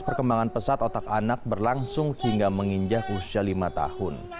perkembangan pesat otak anak berlangsung hingga menginjak usia lima tahun